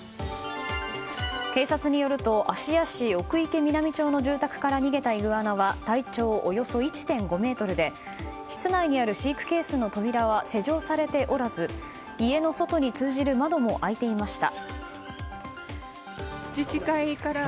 警察によると芦屋市奥池南町の住宅から逃げたイグアナは体長およそ１．５ｍで室内にある飼育ケースの扉は施錠されておらず家の外に通じる窓も開いていました。